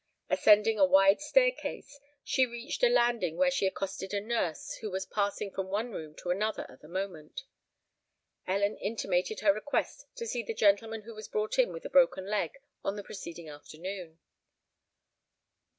Ascending a wide staircase, she reached a landing, where she accosted a nurse who was passing from one room to another at the moment. Ellen intimated her request to see the gentleman who was brought in with a broken leg on the preceding afternoon.